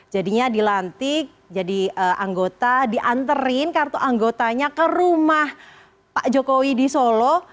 jadinya dilantik jadi anggota dianterin kartu anggotanya ke rumah pak jokowi di solo